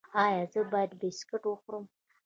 ایا زه باید بسکټ وخورم؟